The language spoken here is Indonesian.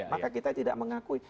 maka kita tidak mengakui